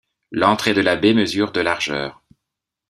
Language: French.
L'entrée de la baie mesure de largeur.